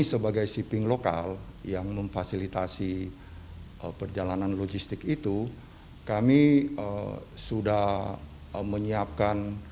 sebagai shipping lokal yang memfasilitasi perjalanan logistik itu kami sudah menyiapkan